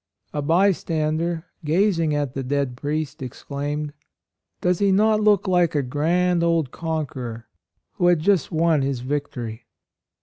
A by stander, gazing at the dead priest, exclaimed: "Does he not look like a grand old con queror who had just won his victory?